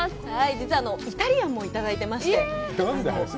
実はイタリアンもいただいてまして。